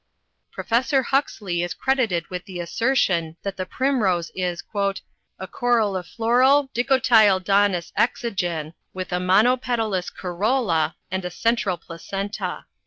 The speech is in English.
Professor Huxley is credited with the assertion that the primrose is "a corollifloral dicotyledonous exogen, with a monopetalous corolla and a central placenta."